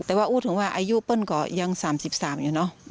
แต่ว่าอู้ถึงว่าอายุเปิ้ลก็ยัง๓๓อย่างนี้เนอะ